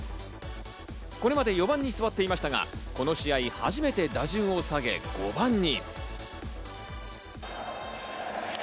これまで４番に座っていましたが、この試合、初めて打順を下げ５番に。